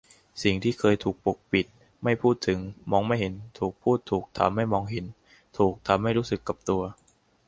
สิ่งที่เคยถูกกดปกปิดไม่พูดถึงมองไม่เห็น ถูกพูดถูกทำให้มองเห็น ถูกทำให้รู้สึกกับตัว